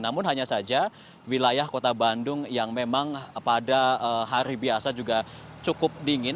namun hanya saja wilayah kota bandung yang memang pada hari biasa juga cukup dingin